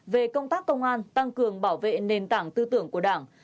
về công tác công an tăng cường bảo vệ nền tảng tư tưởng của đảng